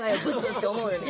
って思うよね。